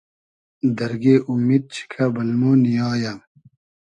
دئرگݷ اومید چیکۂ بئل مۉ نییایۂ